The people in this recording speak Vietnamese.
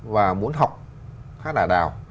và muốn học hát ả đào